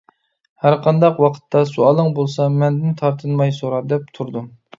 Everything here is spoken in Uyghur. «ھەر قانداق ۋاقىتتا سوئالىڭ بولسا، مەندىن تارتىنماي سورا» دەپ تۇردۇم.